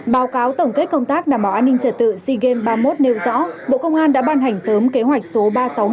báo cáo tổng kết công tác đảm bảo an ninh trả tự sigem ba mươi một nêu rõ bộ công an đã bàn hành sớm kế hoạch số ba trăm sáu mươi một